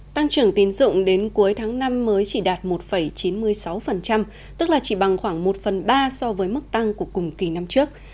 tăng trưởng tín dụng đến cuối tháng năm mới chỉ đạt một chín mươi sáu tức là chỉ bằng khoảng một phần ba so với mức tăng của cùng kỳ năm trước